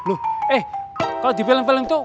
loh eh kalau di film film itu